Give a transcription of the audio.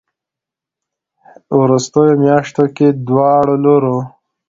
ه وروستيو مياشتو کې دواړو لورو